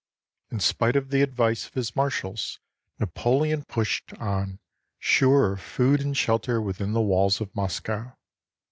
In spite of the advice of his marshals, Napoleon pushed on, sure of food and shelter within the walls of Moscow.